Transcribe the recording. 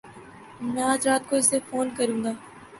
میں اج رات کو اسے فون کروں گا۔